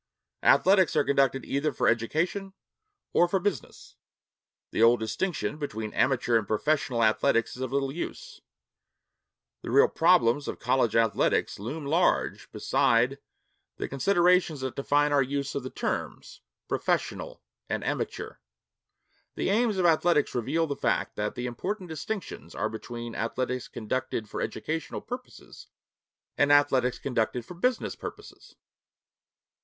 Athletics are conducted either for education or for business. The old distinction between amateur and professional athletics is of little use. The real problems of college athletics loom large beside the considerations that define our use of the terms 'professional' and 'amateur.' The aims of athletics reveal the fact that the important distinctions are between athletics conducted for educational purposes and athletics conducted for business purposes.